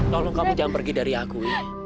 tolong kamu jangan pergi dari aku